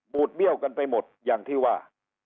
ดเบี้ยวกันไปหมดอย่างที่ว่า